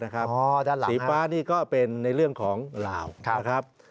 ด้านหลังครับสีบล้านี่ก็เป็นในเรื่องของลาวนะครับ